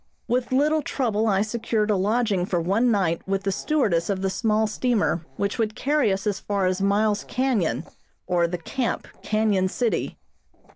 With little trouble I secured a lodging for one night with the stewardess of the small steamer which would carry us as far as Miles Canyon or the Camp, Canyon City.